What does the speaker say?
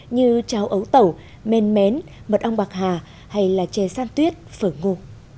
như cháo ấu tẩu men mến mật ong bạc hà hay là chè san tuyết phở ngô